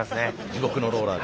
地獄のローラー。